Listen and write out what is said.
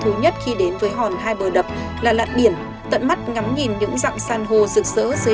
thú nhất khi đến với hòn hai bờ đập là lạn biển tận mắt ngắm nhìn những dạng san hô rực rỡ dưới